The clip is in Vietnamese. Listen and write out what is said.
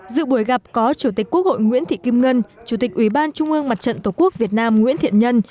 dự buổi gặp có chủ tịch quốc hội nguyễn thị kim ngân chủ tịch ủy ban trung ương mặt trận tổ quốc việt nam nguyễn thiện nhân